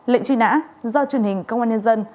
lệnh truy nã do truyền hình công an nhân dân